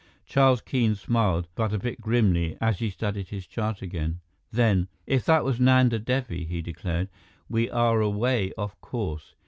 Charles Keene smiled, but a bit grimly, as he studied his chart again. Then: "If that was Nanda Devi," he declared, "we are away off course."